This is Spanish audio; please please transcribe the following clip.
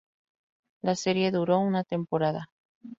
La serie duró una temporada.